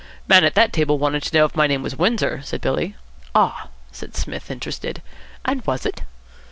"Man at that table wanted to know if my name was Windsor," said Billy. "Ah?" said Psmith, interested; "and was it?"